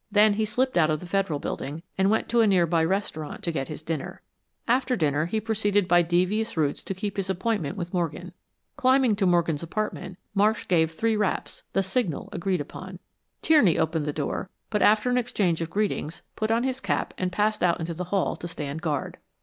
Then he slipped out of the Federal Building, and went to a nearby restaurant to get his dinner. After dinner he proceeded by devious routes to keep his appointment with Morgan. Climbing to Morgan's apartment, Marsh gave three raps, the signal agreed upon. Tierney opened the door, but after an exchange of greetings, put on his cap and passed out into the hall to stand guard.